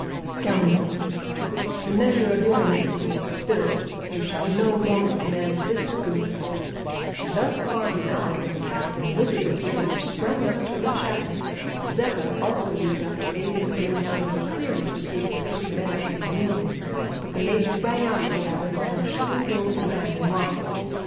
"Scoundrel!" he cried, "the measure of your iniquity is filled. You shall no longer command this schooner " Thus far he got when the captain, livid with rage, sprang up to rush at him. Zeppa also leaped up to aid in putting down what he clearly perceived was premeditated mutiny, but the mate sprang out of the cabin, and, shutting the door with a bang, locked it.